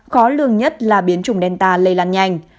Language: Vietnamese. khó lường nhất là biến chủng delta lây lan nhanh